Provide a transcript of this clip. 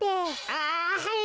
ああはい。